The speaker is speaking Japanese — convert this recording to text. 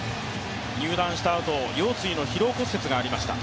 入団したあと、腰椎の疲労骨折がありました。